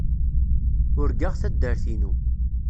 Urgaɣ taddart-inu.